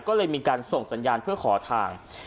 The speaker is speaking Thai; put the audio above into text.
ก็เลยมีการส่งสัญญาณเพื่อขอทาง